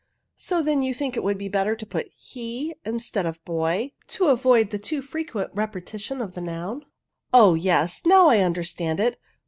So then you think it better to put he instead of hoy^ to avoid the too frequent repetition of the noun." Oh yes, now I understand it.